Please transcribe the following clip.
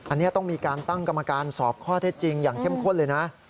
อันนี้ต้องมีการตั้งกรรมการสอบข้อเท็จจริงอย่างเข้มข้นเลยนะ